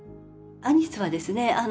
アニスはですね